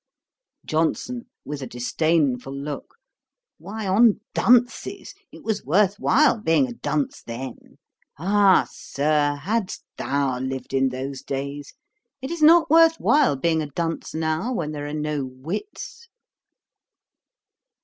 JOHNSON, (with a disdainful look,) 'Why, on dunces. It was worth while being a dunce then. Ah, Sir, hadst thou lived in those days! It is not worth while being a dunce now, when there are no wits.'